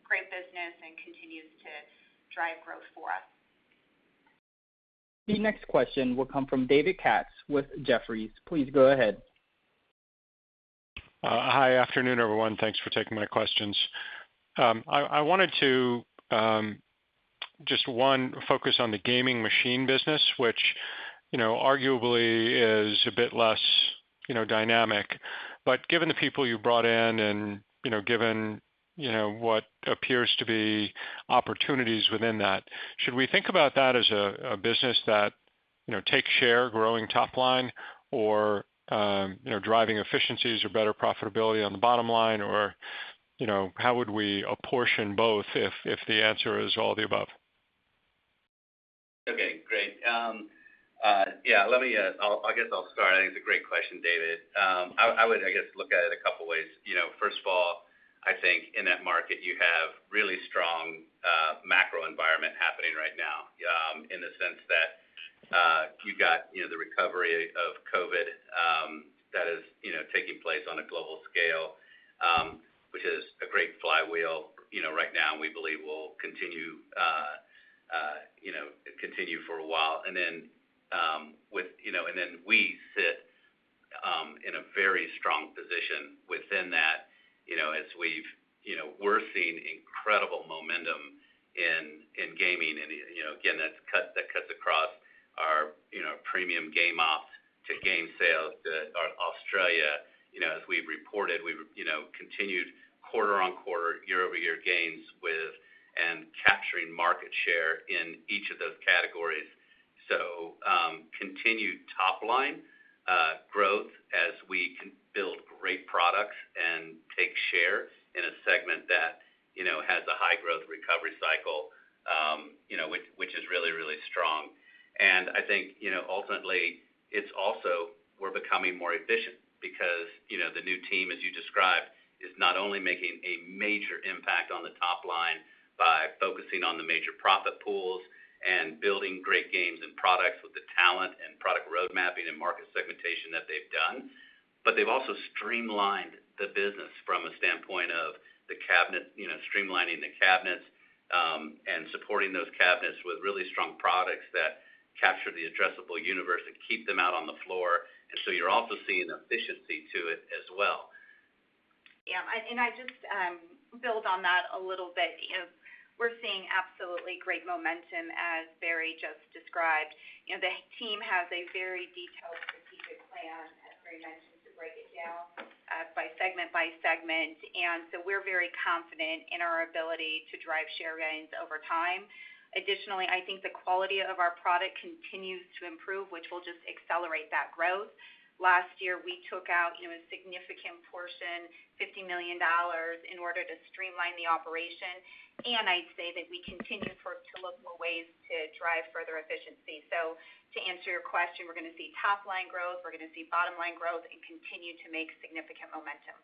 Great business and continues to drive growth for us. The next question will come from David Katz with Jefferies. Please go ahead. Hi. Afternoon, everyone. Thanks for taking my questions. I wanted to focus on the gaming machine business, which arguably is a bit less dynamic. Given the people you brought in and given what appears to be opportunities within that, should we think about that as a business that takes share growing top line or driving efficiencies or better profitability on the bottom line, or how would we apportion both if the answer is all the above? Okay, great. Let me. I guess I'll start. I think it's a great question, David. I would, I guess, look at it a couple ways. You know, first of all, I think in that market, you have really strong macro environment happening right now, in the sense that, you've got the recovery of COVID, that is taking place on a global scale, which is a great flywheel right now, and we believe will continue for a while. Then, with and then we sit in a very strong position within that as we've. You know, we're seeing incredible momentum in gaming and again, that cuts across our premium game ops to game sales to our Australia. You know, as we've reported, we continued quarter-over-quarter, year-over-year gains and capturing market share in each of those categories. Continued top line growth as we can build great products and take share in a segment that has a high growth recovery cycle which is really strong. I think ultimately, it's also we're becoming more efficient because the new team, as you described, is not only making a major impact on the top line by focusing on the major profit pools and building great games and products with the talent and product road mapping and market segmentation that they've done. They've also streamlined the business from a standpoint of the cabinet streamlining the cabinets, and supporting those cabinets with really strong products that capture the addressable universe and keep them out on the floor. You're also seeing efficiency to it as well. Yeah. I just build on that a little bit. You know, we're seeing absolutely great momentum, as Barry just described. You know, the team has a very detailed strategic plan, as Barry mentioned, to break it down by segment by segment, and we're very confident in our ability to drive share gains over time. Additionally, I think the quality of our product continues to improve, which will just accelerate that growth. Last year, we took out a significant portion, $50 million in order to streamline the operation, and I'd say that we continue to look for ways to drive further efficiency. To answer your question, we're going to see top line growth, we're going to see bottom line growth, and continue to make significant momentum.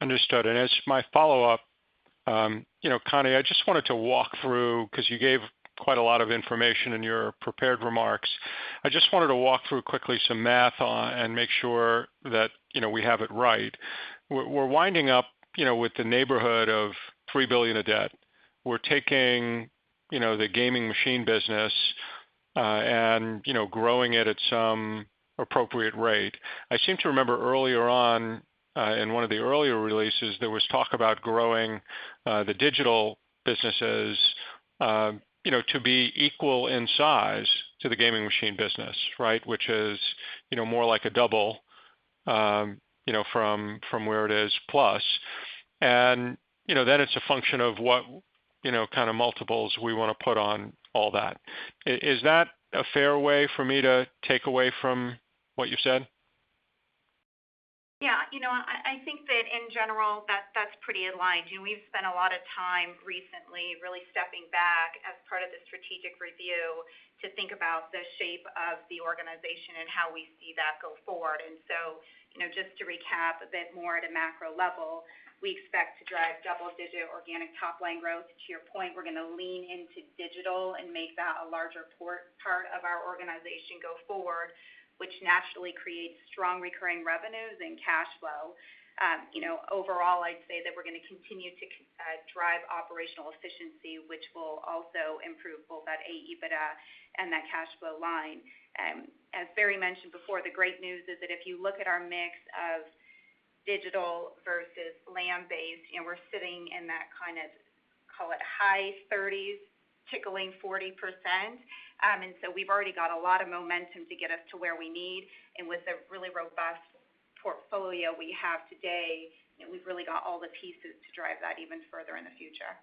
Understood. As my follow-up Connie, I just wanted to walk through, because you gave quite a lot of information in your prepared remarks. I just wanted to walk through quickly some math on and make sure that we have it right. We're winding up with the neighborhood of $3 billion of debt. We're taking the gaming machine business, and growing it at some appropriate rate. I seem to remember earlier on, in one of the earlier releases, there was talk about growing, the digital businesses to be equal in size to the gaming machine business, right? Which is more like a double You know, from where it is plus. You know, then it's a function of what kind of multiples we wanna put on all that. Is that a fair way for me to take away from what you've said? Yeah. You know, I think that in general, that's pretty aligned. You know, we've spent a lot of time recently really stepping back as part of the strategic review to think about the shape of the organization and how we see that go forward. You know, just to recap a bit more at a macro level, we expect to drive double-digit organic top-line growth. To your point, we're gonna lean into digital and make that a larger part of our organization go forward, which naturally creates strong recurring revenues and cash flow. You know, overall, I'd say that we're gonna continue to drive operational efficiency, which will also improve both that AEBITDA and that cash flow line. As Barry mentioned before, the great news is that if you look at our mix of digital versus land-based we're sitting in that kind of, call it, high 30s, tickling 40%. We've already got a lot of momentum to get us to where we need. With the really robust portfolio we have today we've really got all the pieces to drive that even further in the future.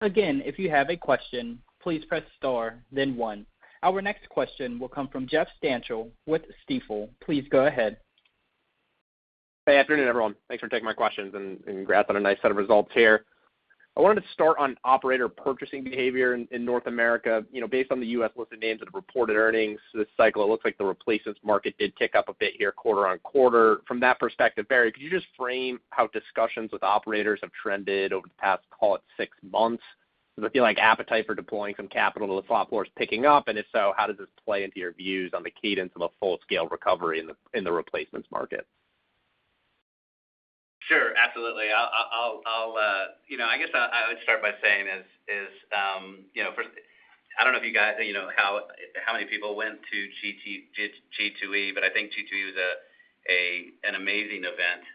Again, if you have a question, please press star then one. Our next question will come from Jeff Stantial with Stifel. Please go ahead. Hey, afternoon, everyone. Thanks for taking my questions, and congrats on a nice set of results here. I wanted to start on operator purchasing behavior in North America. You know, based on the U.S. listed names that reported earnings this cycle, it looks like the replacements market did tick up a bit here quarter-over-quarter. From that perspective, Barry, could you just frame how discussions with operators have trended over the past, call it, six months? Does it feel like appetite for deploying some capital to the slot floor is picking up? And if so, how does this play into your views on the cadence of a full-scale recovery in the replacements market? Sure. Absolutely. i'll I guess I would start by saying first, I don't know if you guys how many people went to G2E, but I think G2E was an amazing event,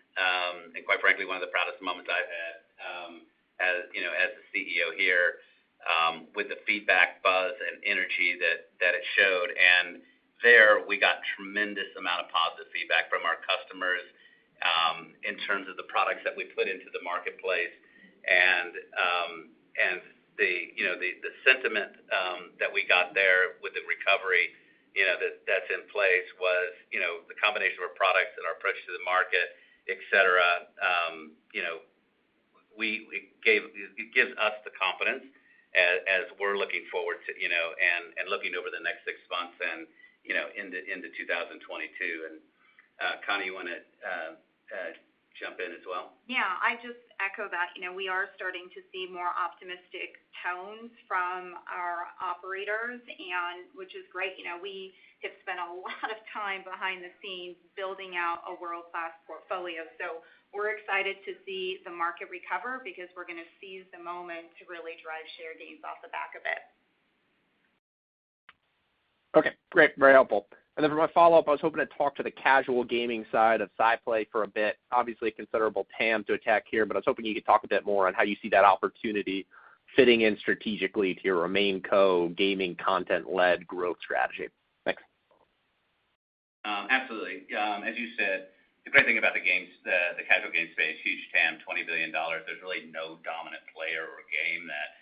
and quite frankly, one of the proudest moments I've had as the CEO here, with the feedback, buzz, and energy that it showed. There, we got a tremendous amount of positive feedback from our customers, in terms of the products that we put into the marketplace. The sentiment that we got there with the recovery that's in place was the combination of our products and our approach to the market, et cetera it gives us the confidence as we're looking forward to and looking over the next six months and into 2022. Connie, you wanna jump in as well? Yeah. I just echo that. You know, we are starting to see more optimistic tones from our operators, and which is great. You know, we have spent a lot of time behind the scenes building out a world-class portfolio. We're excited to see the market recover because we're gonna seize the moment to really drive share gains off the back of it. Okay. Great. Very helpful. For my follow-up, I was hoping to talk to the casual gaming side of SciPlay for a bit. Obviously, considerable TAM to attack here, but I was hoping you could talk a bit more on how you see that opportunity fitting in strategically to your main social gaming content-led growth strategy. Thanks. Absolutely. As you said, the great thing about the games, the casual game space, huge TAM, $20 billion, there's really no dominant player or game that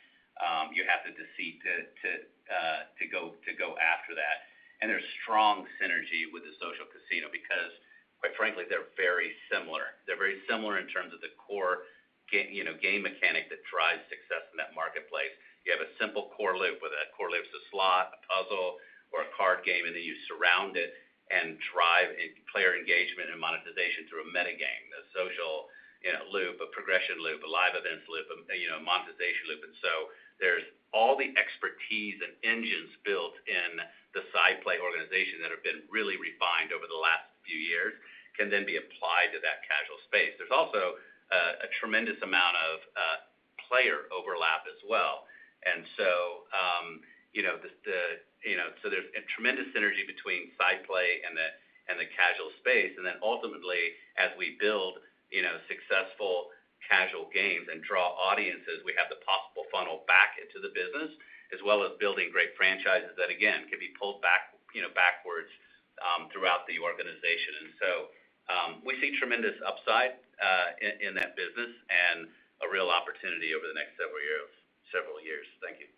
you have to beat to go after that. There's strong synergy with the social casino because quite frankly, they're very similar. They're very similar in terms of the core game mechanic that drives success in that marketplace. You have a simple core loop, whether that core loop's a slot, a puzzle, or a card game, and then you surround it and drive player engagement and monetization through a meta game, a social loop, a progression loop, a live events loop, a a monetization loop. There's all the expertise and engines built in the SciPlay organization that have been really refined over the last few years, can then be applied to that casual space. There's also a tremendous amount of player overlap as well. You know, there's a tremendous synergy between SciPlay and the casual space. Ultimately, as we build you know successful casual games and draw audiences, we have the possible funnel back into the business, as well as building great franchises that again can be pulled back you know backwards throughout the organization. We see tremendous upside in that business and a real opportunity over the next several years. Thank you.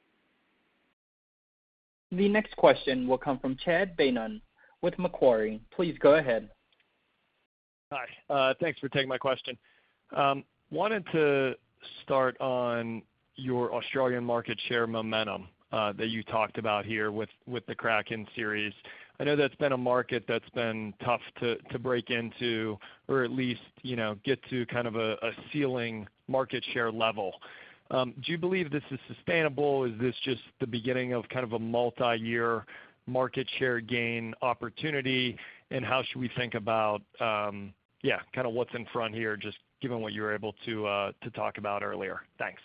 The next question will come from Chad Beynon with Macquarie. Please go ahead. Hi. Thanks for taking my question. Wanted to start on your Australian market share momentum, that you talked about here with the Kraken series. I know that's been a market that's been tough to break into or at least get to kind of a ceiling market share level. Do you believe this is sustainable? Is this just the beginning of kind of a multi-year market share gain opportunity? How should we think about, yeah, kind of what's in front here, just given what you were able to talk about earlier? Thanks.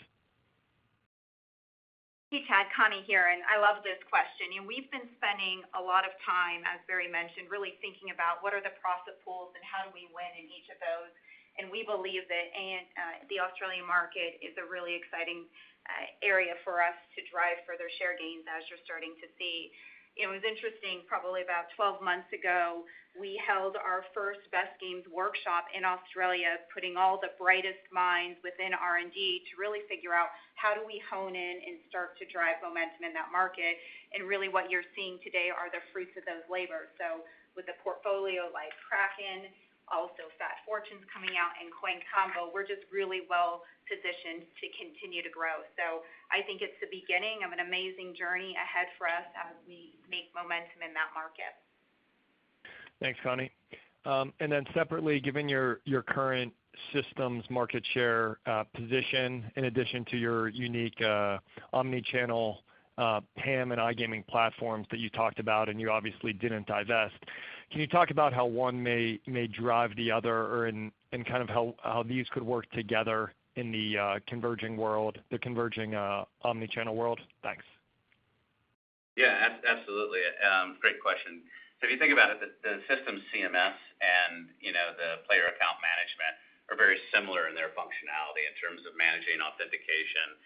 Hey, Chad, Connie here, and I love this question. We've been spending a lot of time, as Barry mentioned, really thinking about what are the profit pools and how do we win in each of those. We believe that, and, the Australian market is a really exciting area for us to drive further share gains, as you're starting to see. It was interesting, probably about 12 months ago, we held our first Best Games Workshop in Australia, putting all the brightest minds within R&D to really figure out how do we hone in and start to drive momentum in that market. Really what you're seeing today are the fruits of those labors. With a portfolio like Kraken, also Fat Fortunes coming out and Coin Combo, we're just really well-positioned to continue to grow. I think it's the beginning of an amazing journey ahead for us as we make momentum in that market. Thanks, Connie. Separately, given your current systems market share position, in addition to your unique omni-channel PAM and iGaming platforms that you talked about and you obviously didn't divest, can you talk about how one may drive the other or and kind of how these could work together in the converging omni-channel world? Thanks. Yeah, absolutely. Great question. If you think about it, the systems CMS and the player account management are very similar in their functionality in terms of managing authentication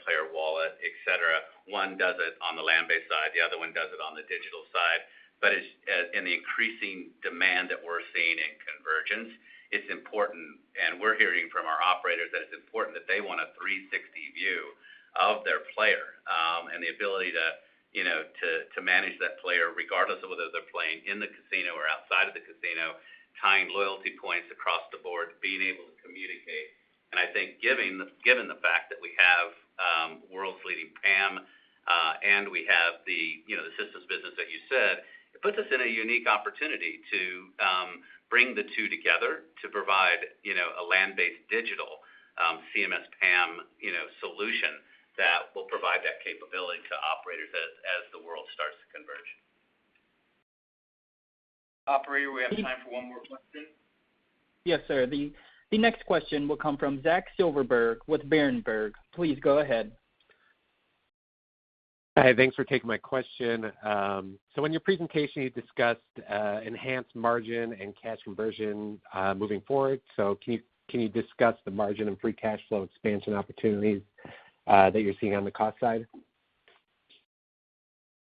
player wallet, et cetera. One does it on the land-based side, the other one does it on the digital side. But it's in the increasing demand that we're seeing in convergence, it's important, and we're hearing from our operators that it's important that they want a 360 view of their player, and the ability to to manage that player, regardless of whether they're playing in the casino or outside of the casino, tying loyalty points across the board, being able to communicate. I think given the fact that we have world's leading PAM, and we have the the systems business that you said, it puts us in a unique opportunity to bring the two together to provide a land-based digital CMS pam solution that will provide that capability to operators as the world starts to converge. Operator, we have time for one more question. Yes, sir. The next question will come from Zach Silverberg with Berenberg. Please go ahead. Hi, thanks for taking my question. In your presentation, you discussed enhanced margin and cash conversion moving forward. Can you discuss the margin and free cash flow expansion opportunities that you're seeing on the cost side?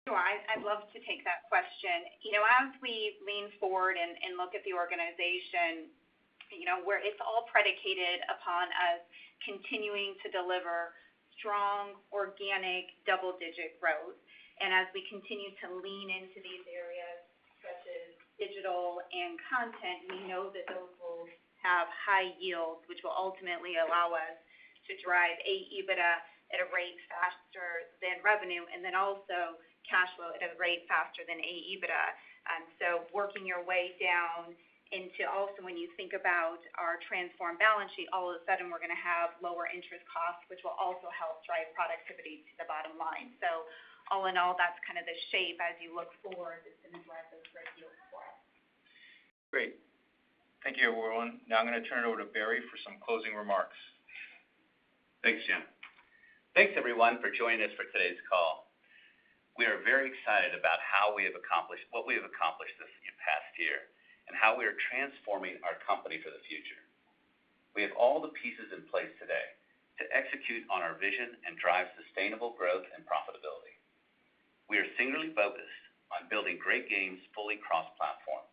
Sure. I'd love to take that question. You know, as we lean forward and look at the organization where it's all predicated upon us continuing to deliver strong organic double-digit growth. As we continue to lean into these areas such as digital and content, we know that those will have high yields, which will ultimately allow us to drive AEBITDA at a rate faster than revenue, and then also cash flow at a rate faster than AEBITDA. Working your way down into also when you think about our transformed balance sheet, all of a sudden we're gonna have lower interest costs, which will also help drive productivity to the bottom line. All in all, that's kind of the shape as you look forward that's gonna drive those great yields for us. Great. Thank you, everyone. Now I'm gonna turn it over to Barry for some closing remarks. Thanks, Jim. Thanks everyone for joining us for today's call. We are very excited about what we have accomplished this past year and how we are transforming our company for the future. We have all the pieces in place today to execute on our vision and drive sustainable growth and profitability. We are singularly focused on building great games fully cross-platform.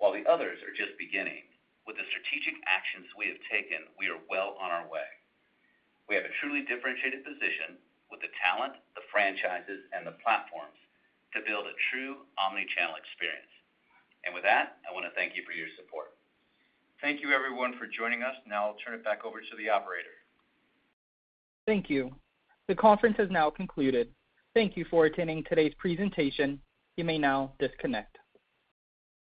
While the others are just beginning, with the strategic actions we have taken, we are well on our way. We have a truly differentiated position with the talent, the franchises, and the platforms to build a true omni-channel experience. With that, I wanna thank you for your support. Thank you everyone for joining us. Now I'll turn it back over to the operator. Thank you. The conference is now concluded. Thank you for attending today's presentation. You may now disconnect.